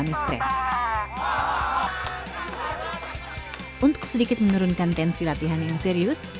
masukkan siap siap